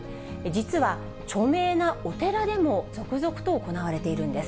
実は著名なお寺でも続々と行われているんです。